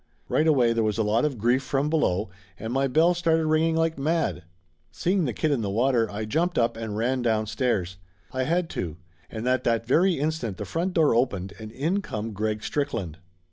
Right away there was a lot of grief from below and my bell started ringing like mad. Seeing the kid in the water, I jumped up and ran downstairs. I had to. And at that very instant the front door opened and in come Greg Strickland.